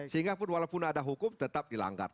sehingga pun walaupun ada hukum tetap dilanggar